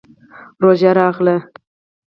روژه راغله.